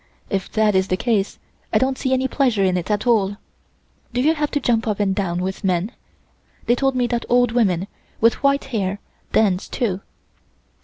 If that is the case I don't see any pleasure in it at all. Do you have to jump up and down with men? They told me that old women, with white hair, dance, too."